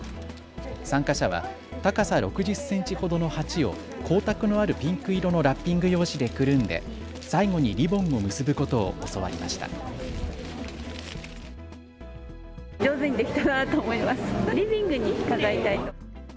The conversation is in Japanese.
参加者は高さ６０センチほどの鉢を光沢のあるピンク色のラッピング用紙でくるんで最後にリボンを結ぶことを教わりました。